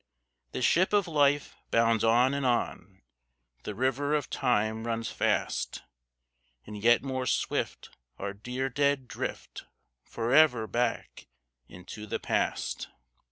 The ship of Life bounds on and on; The river of Time runs fast; And yet more swift our dear dead drift For ever back into the Past.